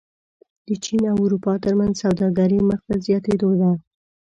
د چین او اروپا ترمنځ سوداګري مخ په زیاتېدو ده.